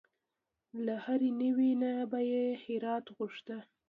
له هرې یوې نه به یې خیرات غوښت.